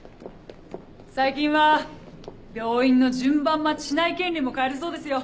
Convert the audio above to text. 最近は病院の順番待ちしない権利も買えるそうですよ。